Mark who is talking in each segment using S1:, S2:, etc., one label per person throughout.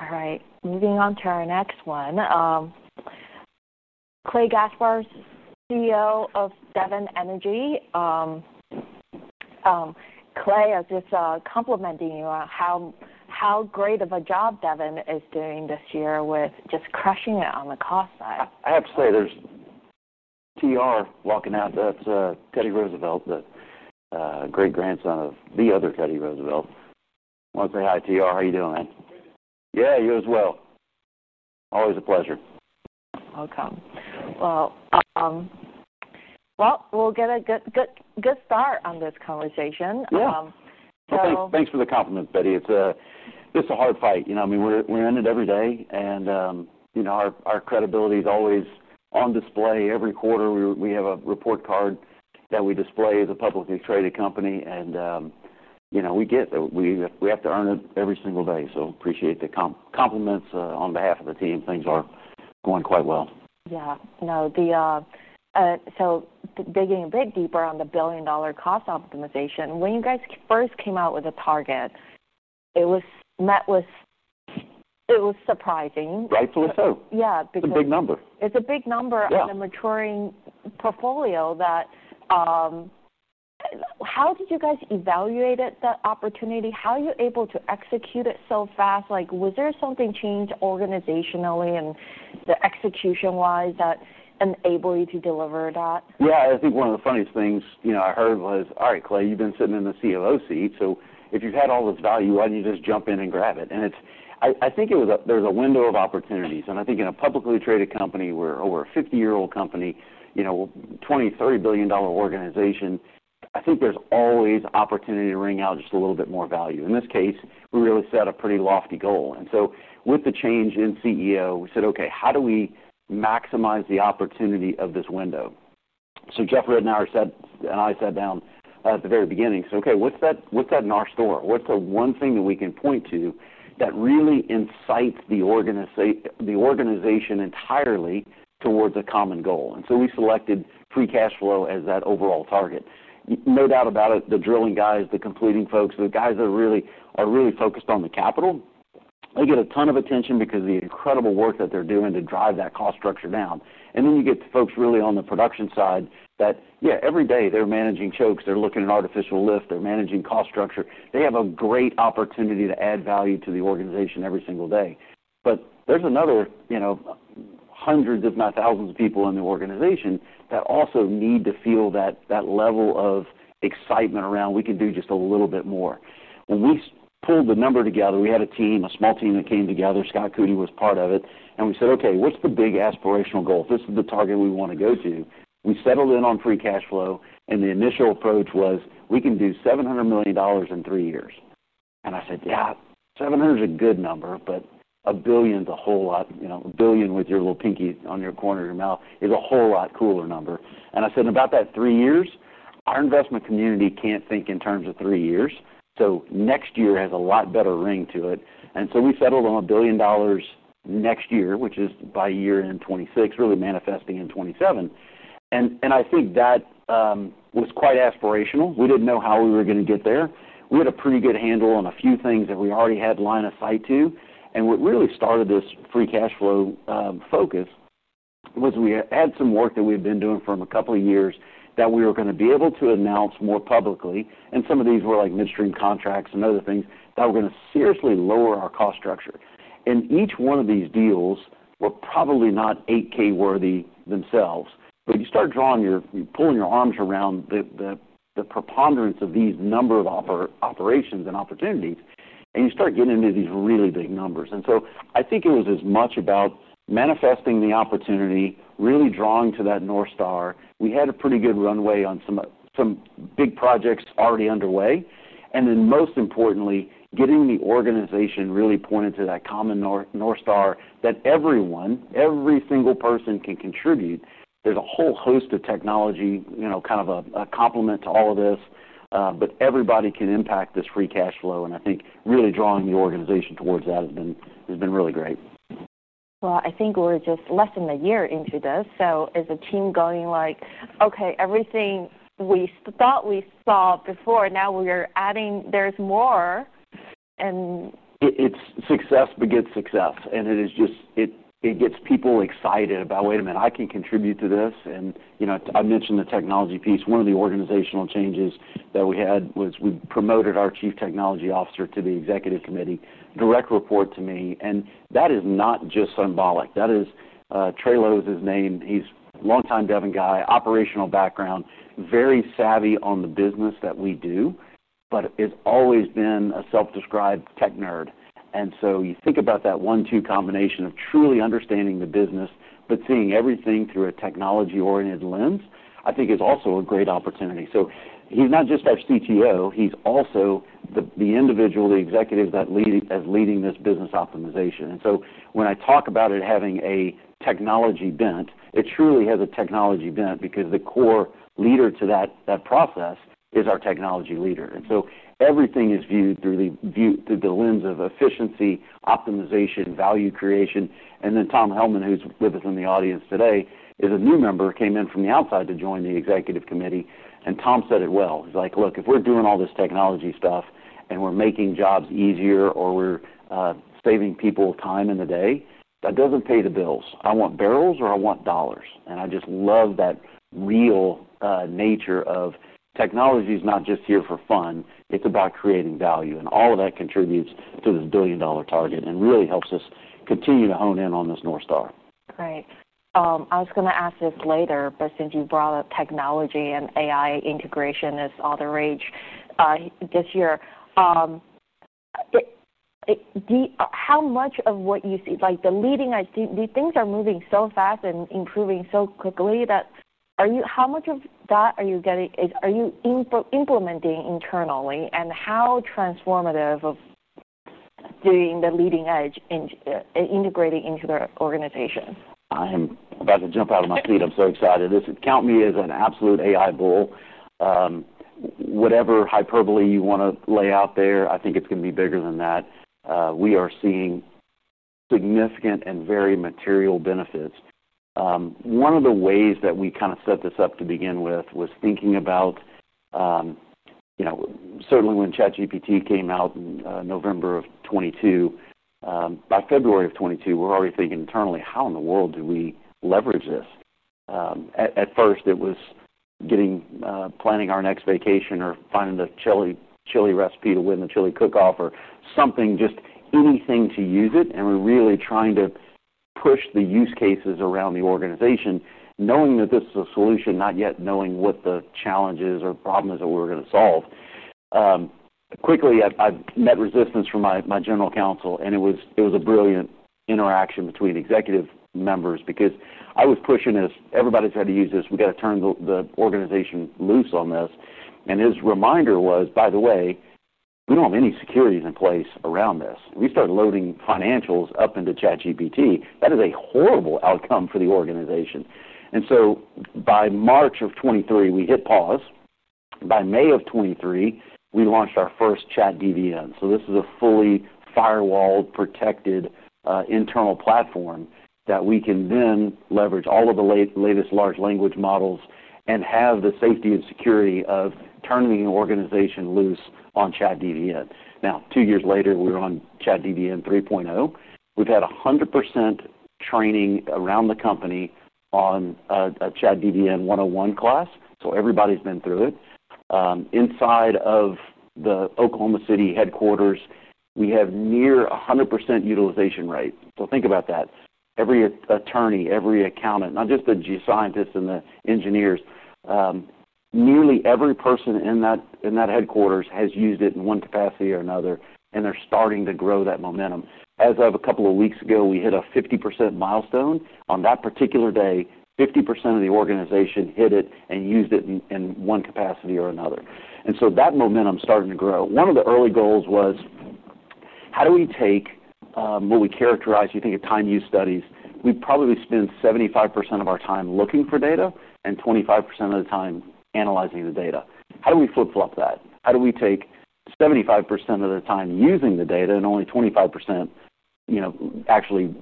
S1: All right. Moving on to our next one. Clay Gaspar is CEO of Devon Energy. Clay, I was just complimenting you on how great of a job Devon is doing this year with just crushing it on the cost side.
S2: I have to say there's TR walking out. That's Teddy Roosevelt, the great-grandson of the other Teddy Roosevelt. Want to say hi, TR? How are you doing, man?
S3: Yeah, you as well. Always a pleasure.
S1: Welcome. We'll get a good start on this conversation.
S2: Yeah, no, thanks for the compliment, Betty. It's a hard fight. I mean, we're in it every day, and our credibility is always on display every quarter. We have a report card that we display as a publicly traded company, and we get that. We have to earn it every single day. I appreciate the compliments on behalf of the team. Things are going quite well.
S1: Yeah, the, so digging a bit deeper on the $1 billion cost optimization, when you guys first came out with the targets, it was met with, it was surprising.
S2: Rightfully so.
S1: Yeah.
S2: It's a big number.
S1: It's a big number in the maturing portfolio. How did you guys evaluate it, the opportunity? How are you able to execute it so fast? Was there something changed organizationally and execution-wise that enabled you to deliver that?
S2: Yeah, I think one of the funniest things I heard was, "All right, Clay, you've been sitting in the COO seat. If you've had all this value, why don't you just jump in and grab it?" I think there was a window of opportunities. In a publicly traded company, we're over a 50-year-old company, you know, $20 billion, $30 billion organization. I think there's always opportunity to wring out just a little bit more value. In this case, we really set a pretty lofty goal. With the change in CEO, we said, "Okay, how do we maximize the opportunity of this window?" Jeff Ritenour and I sat down at the very beginning. "Okay, what's that, what's that north star? What's the one thing that we can point to that really incites the organization, the organization entirely towards a common goal?" We selected free cash flow as that overall target. No doubt about it, the drilling guys, the completing folks, the guys that really are really focused on the capital, they get a ton of attention because of the incredible work that they're doing to drive that cost structure down. You get folks really on the production side that, yeah, every day they're managing chokes, they're looking at artificial lift, they're managing cost structure. They have a great opportunity to add value to the organization every single day. There's another, you know, hundreds, if not thousands of people in the organization that also need to feel that level of excitement around, "We can do just a little bit more." When we pulled the number together, we had a team, a small team that came together. Scott Coody was part of it. We said, "Okay, what's the big aspirational goal? This is the target we want to go to." We settled in on free cash flow. The initial approach was, "We can do $700 million in three years." I said, "Yeah, $700 million is a good number, but $1 billion is a whole lot." You know, a billion with your little pinky on your corner of your mouth is a whole lot cooler number. I said, "About that three years, our investment community can't think in terms of three years. Next year has a lot better ring to it." We settled on a $1 billion next year, which is by year-end 2026, really manifesting in 2027. I think that was quite aspirational. We didn't know how we were going to get there. We had a pretty good handle on a few things that we already had line of sight to. What really started this free cash flow focus was we had some work that we had been doing for a couple of years that we were going to be able to announce more publicly. Some of these were like midstream contracts and other things that were going to seriously lower our cost structure. Each one of these deals was probably not 8-K worthy themselves, but you start pulling your arms around the preponderance of these number of operations and opportunities, and you start getting into these really big numbers. I think it was as much about manifesting the opportunity, really drawing to that north star. We had a pretty good runway on some big projects already underway, and then most importantly, getting the organization really pointed to that common north star that everyone, every single person, can contribute. There's a whole host of technology, kind of a complement to all of this, but everybody can impact this free cash flow. I think really drawing the organization towards that has been really great.
S1: I think we're just less than a year into this. Is the team going like, "Okay, everything we thought we saw before, now we are adding, there's more.
S2: Success begets success. It gets people excited about, "Wait a minute, I can contribute to this." I mentioned the technology piece. One of the organizational changes that we had was we promoted our Chief Technology Officer to the executive committee, direct report to me. That is not just symbolic. Trey Lowe is his name. He's a longtime Devon guy, operational background, very savvy on the business that we do, but has always been a self-described tech nerd. You think about that one-two combination of truly understanding the business, but seeing everything through a technology-oriented lens, I think is also a great opportunity. He's not just our CTO. He's also the individual, the executive that's leading this business optimization. When I talk about it having a technology bent, it truly has a technology bent because the core leader to that process is our technology leader. Everything is viewed through the lens of efficiency, optimization, value creation. Tom Hellman, who's with us in the audience today, is a new member who came in from the outside to join the executive committee. Tom said it well. He's like, "Look, if we're doing all this technology stuff and we're making jobs easier or we're saving people time in the day, that doesn't pay the bills. I want barrels or I want dollars." I just love that real nature of technology is not just here for fun. It's about creating value. All of that contributes to this billion-dollar target and really helps us continue to hone in on this north star.
S1: Right. I was going to ask it later, but since you brought up technology and AI integration, it's all the rage this year. How much of what you see, like the leading edge, do you think things are moving so fast and improving so quickly that, how much of that are you getting, are you implementing internally, and how transformative is doing the leading edge and integrating into their organization?
S2: I'm about to jump out of my seat. I'm so excited. Count me as an absolute AI bull. Whatever hyperbole you want to lay out there, I think it's going to be bigger than that. We are seeing significant and very material benefits. One of the ways that we kind of set this up to begin with was thinking about, you know, certainly when ChatGPT came out in November of 2022, by February of 2022, we're already thinking internally, "How in the world do we leverage this?" At first, it was getting, planning our next vacation or finding the chili recipe to win the chili cook-off or something, just anything to use it. We're really trying to push the use cases around the organization, knowing that this is a solution, not yet knowing what the challenges or problems that we were going to solve. Quickly, I met resistance from my general counsel, and it was a brilliant interaction between executive members because I was pushing this. Everybody's had to use this. We got to turn the organization loose on this. His reminder was, "By the way, we don't have any securities in place around this." We started loading financials up into ChatGPT. That is a horrible outcome for the organization. By March of 2023, we hit pause. By May of 2023, we launched our first ChatDVN. This is a fully firewalled, protected, internal platform that we can then leverage all of the latest large language models and have the safety and security of turning the organization loose on ChatDVN. Now, two years later, we're on ChatDVN 3.0. We've had 100% training around the company on a ChatDVN 101 class. Everybody's been through it. Inside of the Oklahoma City headquarters, we have near 100% utilization rate. Think about that. Every attorney, every accountant, not just the scientists and the engineers, nearly every person in that headquarters has used it in one capacity or another, and they're starting to grow that momentum. As of a couple of weeks ago, we hit a 50% milestone. On that particular day, 50% of the organization hit it and used it in one capacity or another. That momentum is starting to grow. One of the early goals was, how do we take what we characterize? We think of time use studies. We probably spend 75% of our time looking for data and 25% of the time analyzing the data. How do we flip-flop that? How do we take 75% of the time using the data and only 25%, you know, actually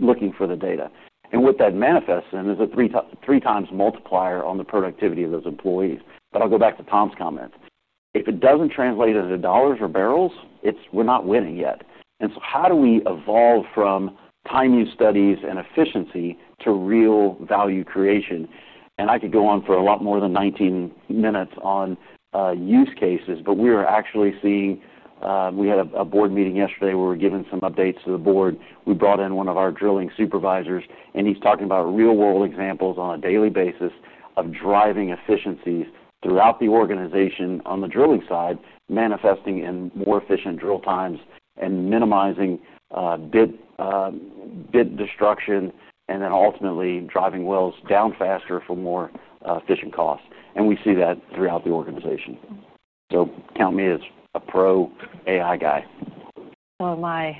S2: looking for the data? What that manifests in is a three-times multiplier on the productivity of those employees. I'll go back to Tom's comment. If it doesn't translate into dollars or barrels, we're not winning yet. How do we evolve from time use studies and efficiency to real value creation? I could go on for a lot more than 19 minutes on use cases, but we were actually seeing, we had a board meeting yesterday where we were giving some updates to the board. We brought in one of our drilling supervisors, and he's talking about real-world examples on a daily basis of driving efficiencies throughout the organization on the drilling side, manifesting in more efficient drill times and minimizing bit destruction, and then ultimately driving wells down faster for more efficient costs. We see that throughout the organization. Count me as a pro AI guy.
S1: Oh, my.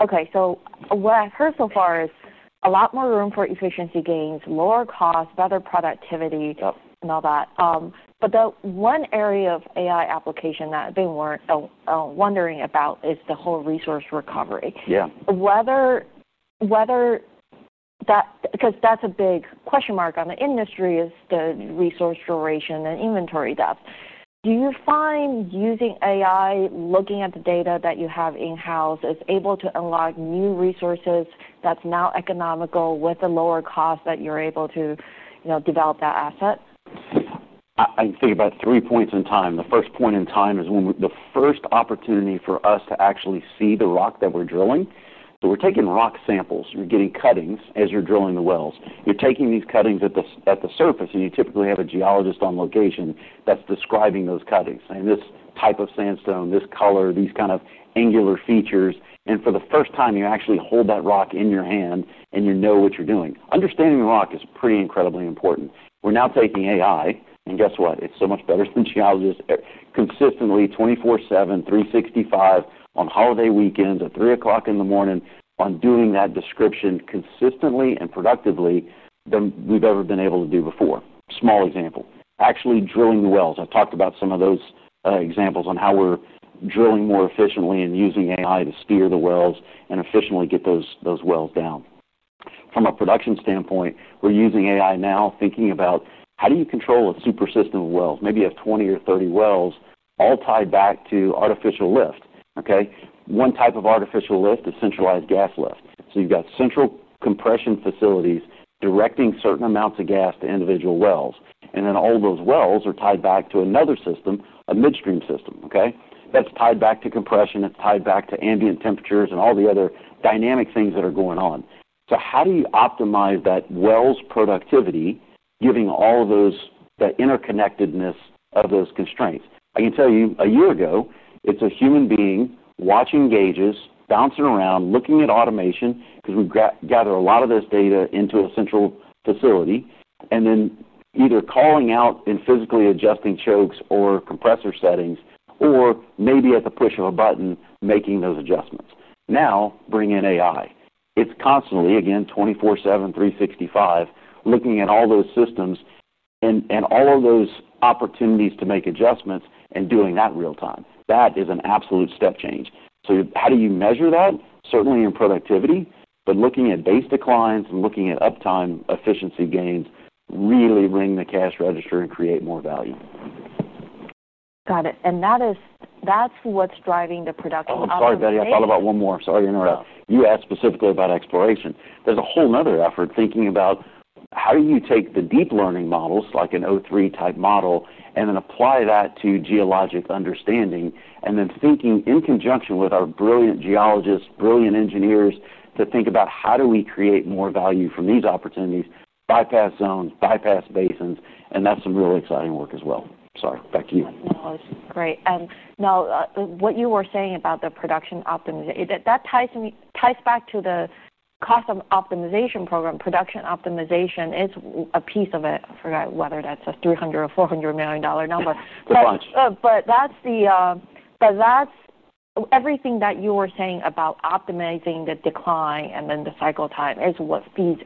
S1: Okay, so what I've heard so far is a lot more room for efficiency gains, lower costs, better productivity, and all that. The one area of artificial intelligence application that I've been wondering about is the whole resource recovery. Yeah, whether that, because that's a big question mark on the industry, is the resource duration and inventory depth. Do you find using artificial intelligence, looking at the data that you have in-house, is able to unlock new resources that's now economical with a lower cost that you're able to, you know, develop that asset?
S2: I think about three points in time. The first point in time is when the first opportunity for us to actually see the rock that we're drilling. We're taking rock samples. You're getting cuttings as you're drilling the wells. You're taking these cuttings at the surface, and you typically have a geologist on location that's describing those cuttings. This type of sandstone, this color, these kind of angular features. For the first time, you actually hold that rock in your hand and you know what you're doing. Understanding the rock is pretty incredibly important. We're now taking artificial intelligence, and guess what? It's so much better than geologists. Consistently, 24/7, 365 on holiday weekends, at 3:00 A.M., doing that description consistently and productively than we've ever been able to do before. Small example. Actually drilling the wells. I've talked about some of those examples on how we're drilling more efficiently and using artificial intelligence to steer the wells and efficiently get those wells down. From a production standpoint, we're using artificial intelligence now thinking about how do you control a super system of wells. Maybe you have 20 or 30 wells all tied back to artificial lift. One type of artificial lift is centralized gas lift. You've got central compression facilities directing certain amounts of gas to individual wells. All those wells are tied back to another system, a midstream system. That's tied back to compression. It's tied back to ambient temperatures and all the other dynamic things that are going on. How do you optimize that well's productivity, given all of the interconnectedness of those constraints? I can tell you a year ago, it's a human being watching gauges, bouncing around, looking at automation because we gather a lot of this data into a central facility, and then either calling out and physically adjusting chokes or compressor settings, or maybe at the push of a button, making those adjustments. Now, bring in artificial intelligence. It's constantly, again, 24/7, 365, looking at all those systems and all of those opportunities to make adjustments and doing that real-time. That is an absolute step change. How do you measure that? Certainly in productivity, but looking at base declines and looking at uptime efficiency gains really ring the cash register and create more value.
S1: Got it. That's what's driving the production of.
S2: Oh, I'm sorry, Betty. I thought about one more. Sorry to interrupt. You asked specifically about exploration. There's a whole other effort thinking about how do you take the deep learning models, like an o3 type model, and then apply that to geologic understanding and then thinking in conjunction with our brilliant geologists, brilliant engineers to think about how do we create more value from these opportunities, bypass zones, bypass basins, and that's some really exciting work as well. Sorry, back to you.
S1: Great. What you were saying about the production optimization ties back to the cost optimization program. Production optimization is a piece of it. I forgot whether that's a $300 million or $400 million number.
S2: Pretty much.
S1: That's everything that you were saying about optimizing the decline and then the cycle time is what feeds,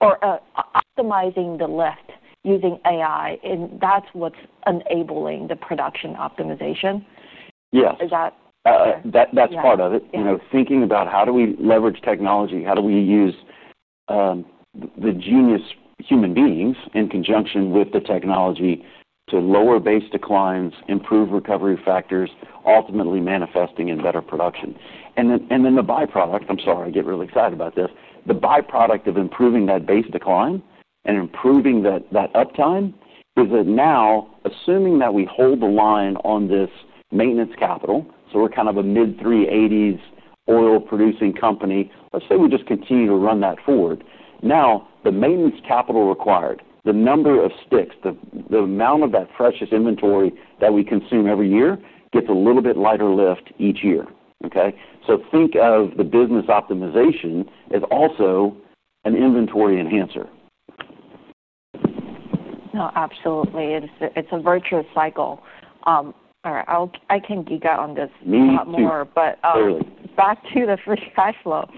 S1: or optimizing the lift using artificial intelligence. That's what's enabling the production optimization.
S2: Yes.
S1: Is that?
S2: That's part of it. You know, thinking about how do we leverage technology? How do we use the genius human beings in conjunction with the technology to lower base declines, improve recovery factors, ultimately manifesting in better production? The byproduct, I'm sorry, I get really excited about this. The byproduct of improving that base decline and improving that uptime is that now, assuming that we hold the line on this maintenance capital, we're kind of a mid-380s oil-producing company. Let's say we just continue to run that forward. Now, the maintenance capital required, the number of sticks, the amount of that precious inventory that we consume every year gets a little bit lighter lift each year. Think of the business optimization as also an inventory enhancer.
S1: No, absolutely. It's a virtuous cycle. All right, I can geek out on this a lot more, but back to the free cash flow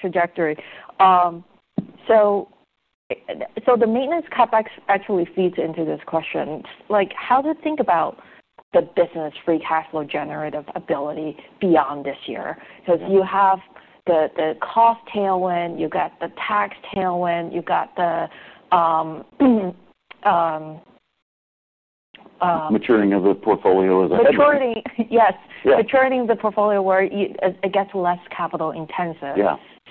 S1: trajectory. The maintenance cutback actually feeds into this question. Like, how to think about the business free cash flow generative ability beyond this year? Because you have the cost tailwind, you got the tax tailwind, you got the
S2: Maturing of the portfolio as a headquarters.
S1: Yes, maturity of the portfolio where it gets less capital intensive.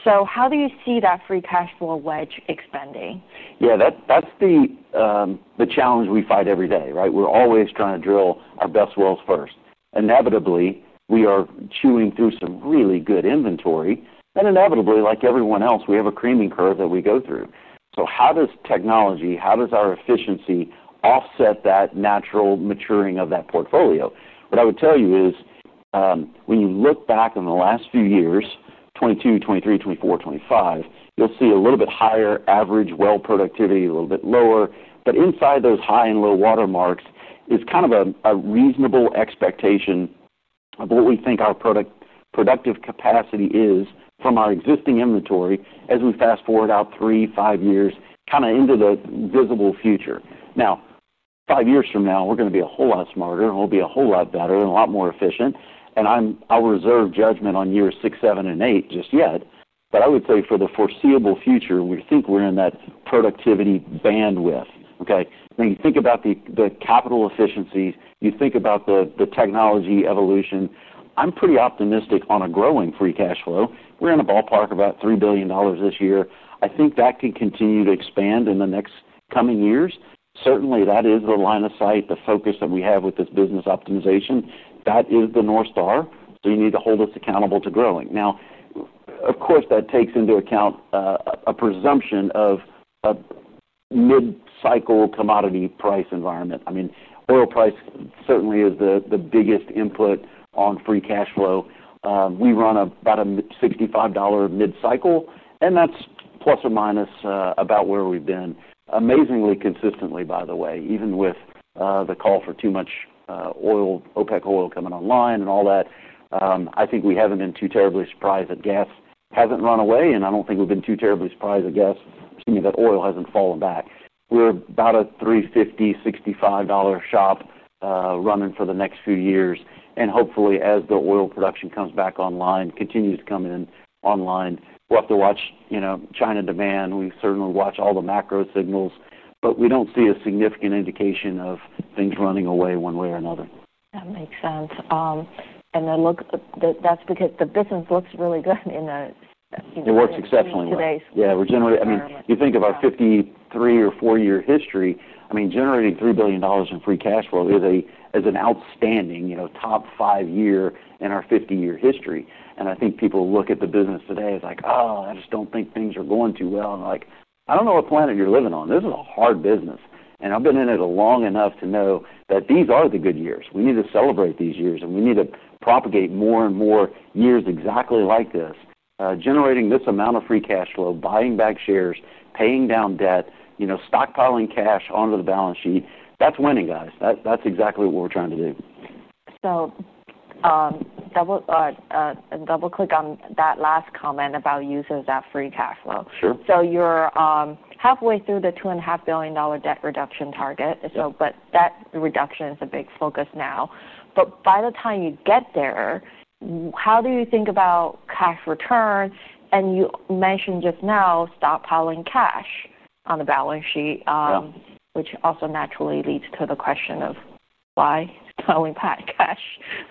S1: How do you see that free cash flow wedge expanding?
S2: Yeah, that's the challenge we fight every day, right? We're always trying to drill our best wells first. Inevitably, we are chewing through some really good inventory, and inevitably, like everyone else, we have a creaming curve that we go through. How does technology, how does our efficiency offset that natural maturing of that portfolio? What I would tell you is when you look back in the last few years, 2022, 2023, 2024, 2025, you'll see a little bit higher average well productivity, a little bit lower. Inside those high and low watermarks is kind of a reasonable expectation of what we think our productive capacity is from our existing inventory as we fast forward out three, five years, kind of into the visible future. Now, five years from now, we're going to be a whole lot smarter and we'll be a whole lot better and a lot more efficient. I'll reserve judgment on years six, seven, and eight just yet. I would say for the foreseeable future, we think we're in that productivity bandwidth. You think about the capital efficiencies, you think about the technology evolution. I'm pretty optimistic on a growing free cash flow. We're in a ballpark of about $3 billion this year. I think that can continue to expand in the next coming years. Certainly, that is the line of sight, the focus that we have with this business optimization. That is the north star. You need to hold us accountable to growing. Of course, that takes into account a presumption of a mid-cycle commodity price environment. I mean, oil price certainly is the biggest input on free cash flow. We run about a $65 mid-cycle, and that's plus or minus about where we've been. Amazingly consistently, by the way, even with the call for too much oil, OPEC oil coming online and all that, I think we haven't been too terribly surprised that gas hasn't run away, and I don't think we've been too terribly surprised that oil hasn't fallen back. We're about a $350, $65 shop running for the next few years. Hopefully, as the oil production comes back online, continues to come in online, we'll have to watch, you know, China demand. We certainly watch all the macro signals, but we don't see a significant indication of things running away one way or another.
S1: That makes sense. That's because the business looks really good in the.
S2: It works exceptionally well. Yeah, we're generating, I mean, you think of our 53 or 54-year history, generating $3 billion in free cash flow is an outstanding, you know, top five year in our 50-year history. I think people look at the business today as like, "Oh, I just don't think things are going too well." I don't know what planet you're living on. This is a hard business. I've been in it long enough to know that these are the good years. We need to celebrate these years, and we need to propagate more and more years exactly like th is, generating this amount of free cash flow, buying back shares, paying down debt, stockpiling cash onto the balance sheet. That's winning, guys. That's exactly what we're trying to do.
S1: Double and double click on that last comment about using that free cash flow.
S2: Sure.
S1: You're halfway through the $2.5 billion debt reduction target. That reduction is a big focus now. By the time you get there, how do you think about cash return? You mentioned just now stockpiling cash on the balance sheet, which also naturally leads to the question of why stockpiling cash.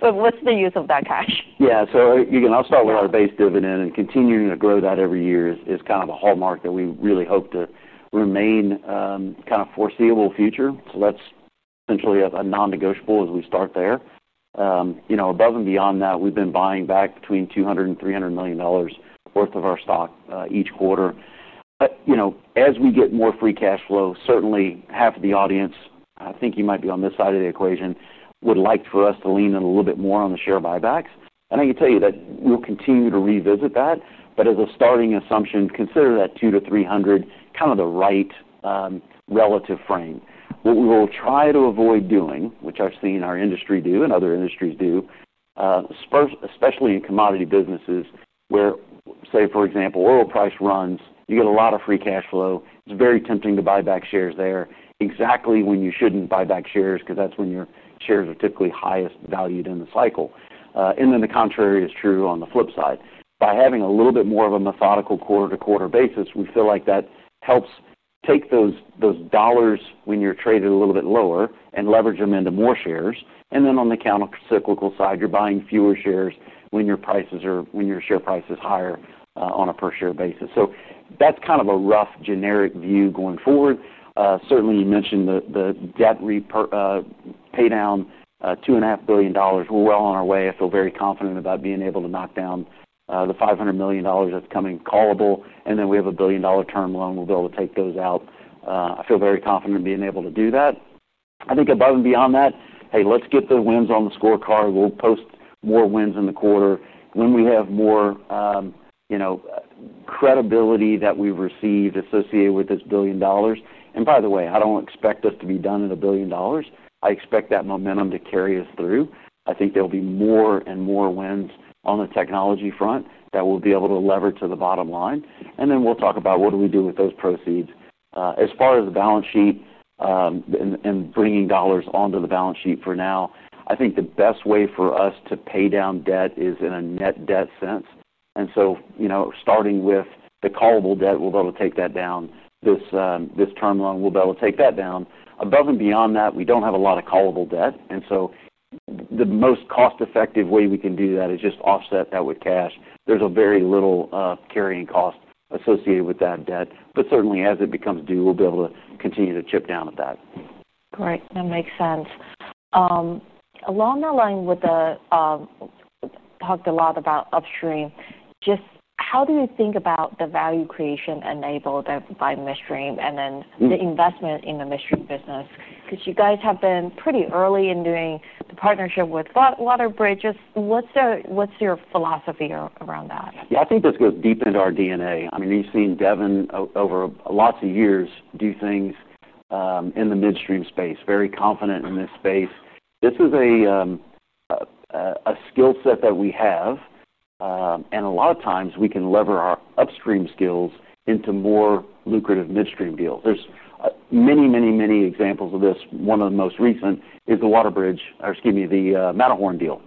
S1: What's the use of that cash?
S2: Yeah, so again, I'll start with our base dividend, and continuing to grow that every year is kind of a hallmark that we really hope to remain, kind of foreseeable future. That's essentially a non-negotiable as we start there. You know, above and beyond that, we've been buying back between $200 million and $300 million worth of our stock each quarter. You know, as we get more free cash flow, certainly half of the audience, I think you might be on this side of the equation, would like for us to lean in a little bit more on the share buybacks. I can tell you that we'll continue to revisit that. As a starting assumption, consider that $200 million - $300 million kind of the right, relative frame. What we will try to avoid doing, which I've seen our industry do and other industries do, especially in commodity businesses where, say, for example, oil price runs, you get a lot of free cash flow. It's very tempting to buy back shares there exactly when you shouldn't buy back shares because that's when your shares are typically highest valued in the cycle. The contrary is true on the flip side. By having a little bit more of a methodical quarter-to-quarter basis, we feel like that helps take those dollars when you're traded a little bit lower and leverage them into more shares. On the countercyclical side, you're buying fewer shares when your share price is higher on a per-share basis. That's kind of a rough generic view going forward. Certainly, you mentioned the debt paydown, $2.5 billion. We're well on our way. I feel very confident about being able to knock down the $500 million that's coming callable. We have a $1 billion term loan. We'll be able to take those out. I feel very confident in being able to do that. I think above and beyond that, hey, let's get the wins on the scorecard. We'll post more wins in the quarter when we have more, you know, credibility that we've received associated with this $1 billion. By the way, I don't expect us to be done at $1 billion. I expect that momentum to carry us through. I think there will be more and more wins on the technology front that we'll be able to leverage to the bottom line. We'll talk about what do we do with those proceeds. As far as the balance sheet, and bringing dollars onto the balance sheet for now, I think the best way for us to pay down debt is in a net debt sense. Starting with the callable debt, we'll be able to take that down. This term loan, we'll be able to take that down. Above and beyond that, we don't have a lot of callable debt. The most cost-effective way we can do that is just offset that with cash. There's very little carrying cost associated with that debt. Certainly, as it becomes due, we'll be able to continue to chip down at that.
S1: Great. That makes sense. Along that line, talked a lot about upstream, just how do you think about the value creation enabled by midstream and then the investment in the midstream business? Because you guys have been pretty early in doing the partnership with WaterBridge. What's your philosophy around that?
S2: Yeah, I think this goes deep into our DNA. I mean, you've seen Devon over lots of years do things in the midstream space, very confident in this space. This is a skill set that we have, and a lot of times we can lever our upstream skills into more lucrative midstream deals. There are many, many, many examples of this. One of the most recent is the WaterBridge, or excuse me, the Matterhorn deal.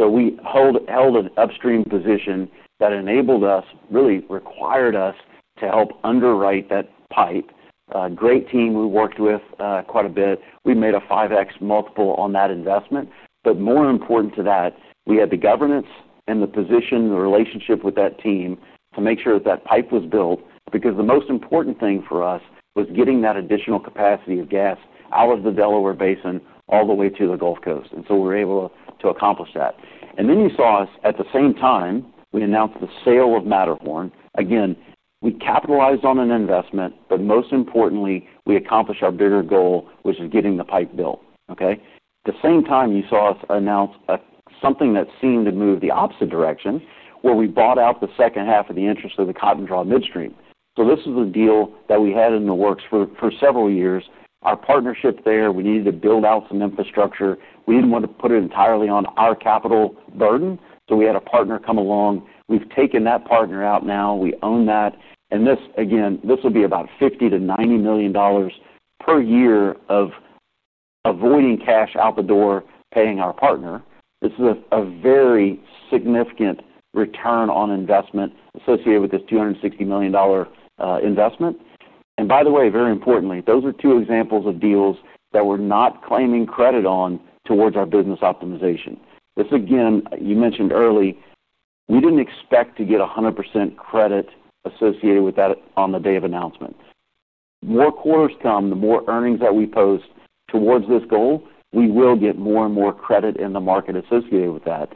S2: We held an upstream position that enabled us, really required us to help underwrite that pipe. A great team we worked with quite a bit. We made a 5x multiple on that investment. More important to that, we had the governance and the position, the relationship with that team to make sure that that pipe was built because the most important thing for us was getting that additional capacity of gas out of the Delaware Basin all the way to the Gulf Coast. We were able to accomplish that. You saw us at the same time, we announced the sale of Matterhorn. We capitalized on an investment, but most importantly, we accomplished our bigger goal, which is getting the pipe built. At the same time, you saw us announce something that seemed to move the opposite direction where we bought out the second half of the interest of the Cotton Draw midstream. This was a deal that we had in the works for several years. Our partnership there, we needed to build out some infrastructure. We didn't want to put it entirely on our capital burden, so we had a partner come along. We've taken that partner out now. We own that. This, again, will be about $50 million- $90 million per year of avoiding cash out the door, paying our partner. It's a very significant return on investment associated with this $260 million investment. By the way, very importantly, those are two examples of deals that we're not claiming credit on towards our business optimization. You mentioned early, we didn't expect to get 100% credit associated with that on the day of announcement. The more quarters come, the more earnings that we post towards this goal, we will get more and more credit in the market associated with that.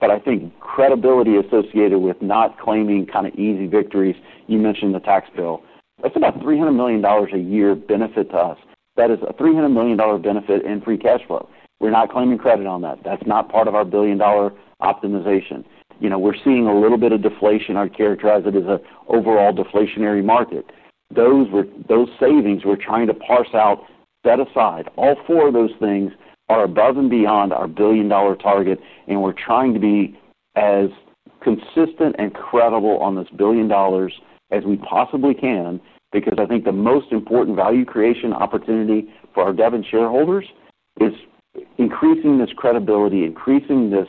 S2: I think credibility associated with not claiming kind of easy victories, you mentioned the tax bill. That's about $300 million a year benefit to us. That is a $300 million benefit in free cash flow. We're not claiming credit on that. That's not part of our billion-dollar optimization. We're seeing a little bit of deflation. I'd characterize it as an overall deflationary market. Those savings we're trying to parse out, set aside, all four of those things are above and beyond our $1 billion target. We're trying to be as consistent and credible on this $1 billion as we possibly can because I think the most important value creation opportunity for our Devon shareholders is increasing this credibility, increasing this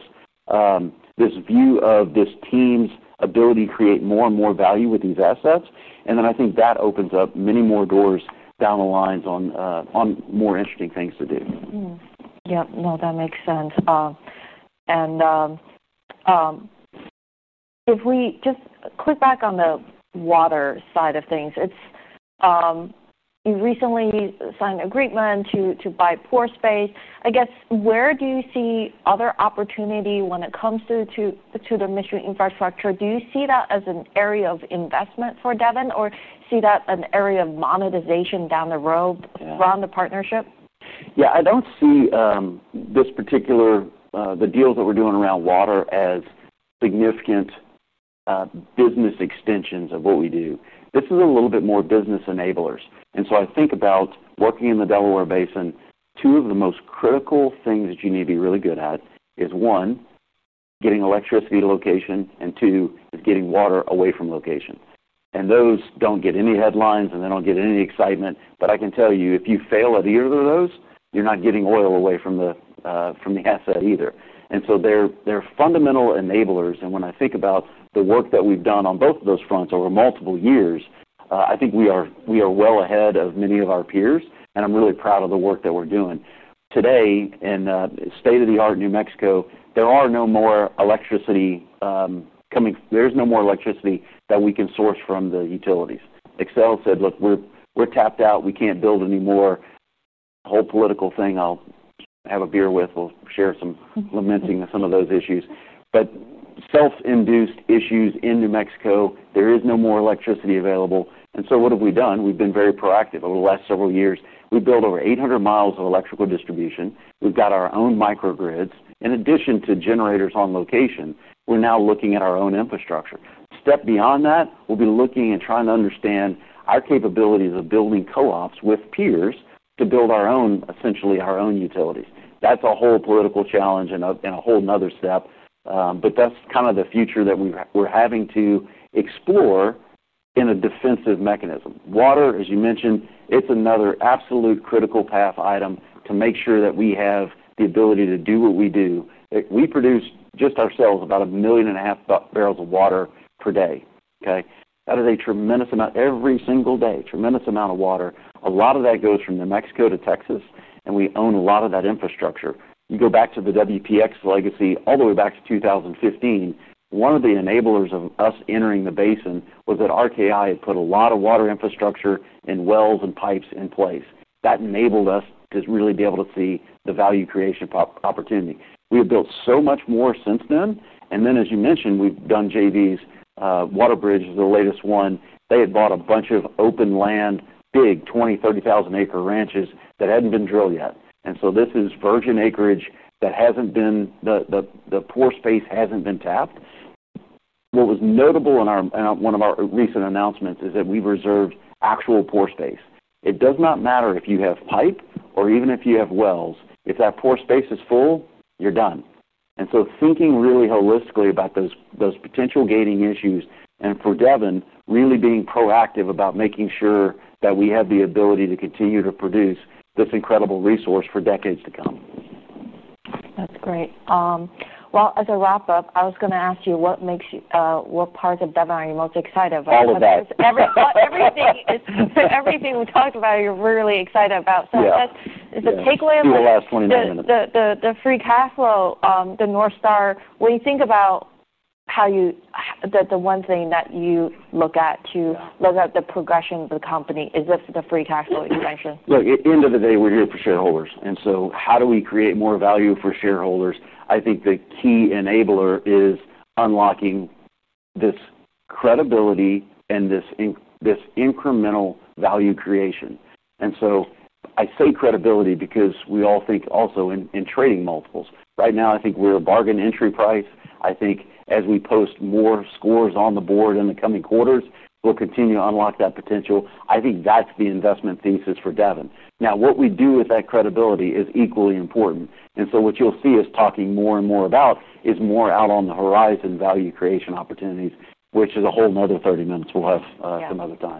S2: view of this team's ability to create more and more value with these assets. I think that opens up many more doors down the line on more interesting things to do.
S1: Yeah. No, that makes sense. If we just click back on the water side of things, you recently signed an agreement to buy pore space. I guess, where do you see other opportunity when it comes to the mission infrastructure? Do you see that as an area of investment for Devon or see that an area of monetization down the road around the partnership?
S2: Yeah, I don't see the deals that we're doing around water as significant business extensions of what we do. This is a little bit more business enablers. I think about working in the Delaware Basin, two of the most critical things that you need to be really good at are, one, getting electricity to location, and two, getting water away from location. Those don't get any headlines and they don't get any excitement. I can tell you, if you fail at either of those, you're not getting oil away from the asset either. They're fundamental enablers. When I think about the work that we've done on both of those fronts over multiple years, I think we are well ahead of many of our peers. I'm really proud of the work that we're doing. Today, in state-of-the-art New Mexico, there is no more electricity that we can source from the utilities. Excel said, "Look, we're tapped out. We can't build anymore." The whole political thing, I'll have a beer with you, we'll share some lamenting of some of those issues. Self-induced issues in New Mexico, there is no more electricity available. What have we done? We've been very proactive over the last several years. We've built over 800 mi of electrical distribution. We've got our own microgrids. In addition to generators on location, we're now looking at our own infrastructure. Step beyond that, we'll be looking and trying to understand our capabilities of building co-ops with peers to build essentially our own utilities. That's a whole political challenge and a whole other step. That's kind of the future that we're having to explore in a defensive mechanism. Water, as you mentioned, is another absolute critical path item to make sure that we have the ability to do what we do. We produce just ourselves about 1.5 million bbl of water per day. That is a tremendous amount, every single day, a tremendous amount of water. A lot of that goes from New Mexico to Texas, and we own a lot of that infrastructure. You go back to the WPX legacy all the way back to 2015. One of the enablers of us entering the basin was that RKI had put a lot of water infrastructure and wells and pipes in place. That enabled us to really be able to see the value creation opportunity. We have built so much more since then. As you mentioned, we've done JVs. WaterBridge is the latest one. They had bought a bunch of open land, big, 20,000-acre, 30,000-acre ranches that hadn't been drilled yet. This is virgin acreage that hasn't been, the pore space hasn't been tapped. What was notable in one of our recent announcements is that we reserve actual pore space. It does not matter if you have pipe or even if you have wells. If that pore space is full, you're done. Thinking really holistically about those potential gating issues and for Devon, really being proactive about making sure that we have the ability to continue to produce this incredible resource for decades to come.
S1: That's great. As a wrap-up, I was going to ask you what makes you, what parts of Devon are you most excited about?
S2: All of that.
S1: Everything we talked about, you're really excited about. Is the takeaway of the.
S2: In the last 29 minutes.
S1: The free cash flow, the north star, when you think about how you, that the one thing that you look at to look at the progression of the company is the free cash flow extension.
S2: Look, at the end of the day, we're here for shareholders. How do we create more value for shareholders? I think the key enabler is unlocking this credibility and this incremental value creation. I say credibility because we all think also in trading multiples. Right now, I think we're a bargain entry price. I think as we post more scores on the board in the coming quarters, we'll continue to unlock that potential. I think that's the investment thesis for Devon. What we do with that credibility is equally important. You'll see us talking more and more about more out on the horizon value creation opportunities, which is a whole nother 30 minutes. We'll have some other time.